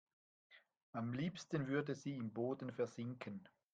Am liebsten würde sie im Boden versinken.